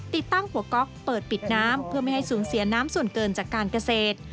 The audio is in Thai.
ติดตั้งหัวก๊อกเปิดปิดน้ำเพื่อไม่ให้สูญเสียน้ำส่วนเกินจากการเกษตร